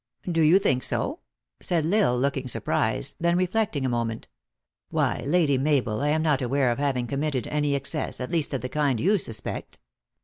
" Do you think so ?" said L Isle, looking surprised, then reflecting a moment. " Why, Lady Mabel, I am not aware of having committed any excess, at least of the kind you suspect."